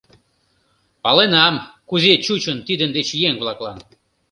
Паленам, кузе чучын тидын деч еҥ-влаклан.